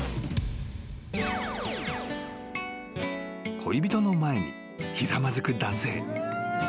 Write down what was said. ［恋人の前にひざまずく男性］